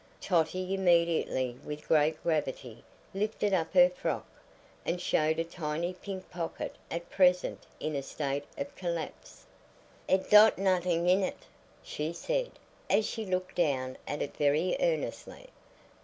Totty immediately with great gravity lifted up her frock, and showed a tiny pink pocket at present in a state of collapse. "It dot notin' in it," she said, as she looked down at it very earnestly.